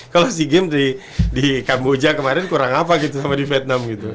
kalau sea games di kamboja kemarin kurang apa gitu sama di vietnam gitu